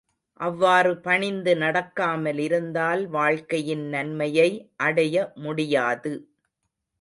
அவ்வாறு பணிந்து நடக்காமலிருந்தால், வாழ்க்கையின் நன்மையை அடைய முடியாது.